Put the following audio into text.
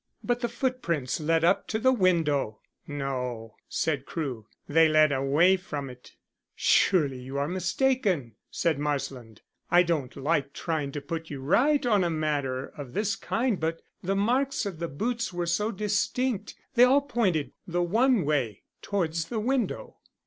"But the footprints led up to the window." "No," said Crewe. "They led away from it." "Surely you are mistaken," said Marsland. "I don't like trying to put you right on a matter of this kind, but the marks of the boots were so distinct; they all pointed the one way towards the window."